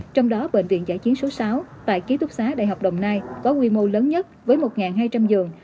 trong đó bệnh viện giã chiến số sáu tại ký túc xá đại học đồng nai có quy mô lớn nhất với một hai trăm linh giường